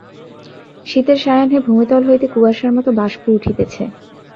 শীতের সায়াহ্নে ভূমিতল হইতে কুয়াশার মতো বাষ্প উঠিতেছে।